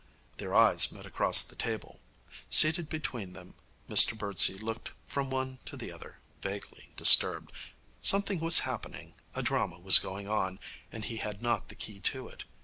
Their eyes met across the table. Seated between them, Mr Birdsey looked from one to the other, vaguely disturbed. Something was happening, a drama was going on, and he had not the key to it.